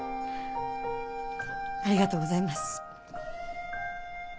ありがとうございます。